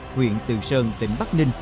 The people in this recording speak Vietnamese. huyện từ sơn tỉnh bắc ninh